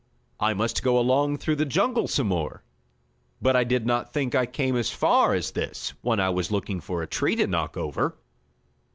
"I must go along through the jungle some more. But I did not think I came as far as this when I was looking for a tree to knock over."